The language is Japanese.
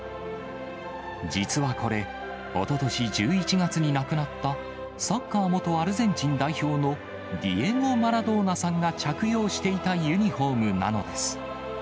実はこれ、おととし１１月に亡くなった、サッカー元アルゼンチン代表のディエゴ・マラドーナさんが着用していたユニホームなのです。